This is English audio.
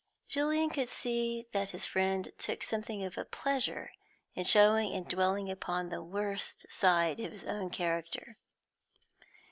Julian could begin to see that his friend took something of a pleasure in showing and dwelling upon the worst side of his own character.